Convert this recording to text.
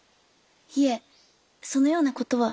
いえそのような事は。